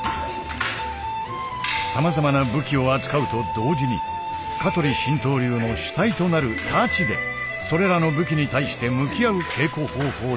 さまざまな武器を扱うと同時に香取神道流の主体となる太刀でそれらの武器に対して向き合う稽古方法となっている。